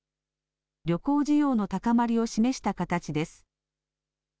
旅行需要の高まりを示した形です。